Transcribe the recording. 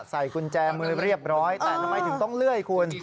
ใส่กุญแจมือเรียบร้อยแต่ทำไมถึงต้องเลื่อยคุณ